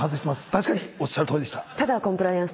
確かにおっしゃるとおりでした。